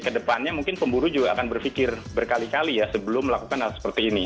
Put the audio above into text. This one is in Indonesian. kedepannya mungkin pemburu juga akan berpikir berkali kali ya sebelum melakukan hal seperti ini